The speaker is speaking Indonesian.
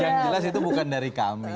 yang jelas itu bukan dari kami